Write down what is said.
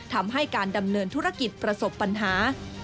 ทำให้การดำเนินธุรกิจประสบปัญหา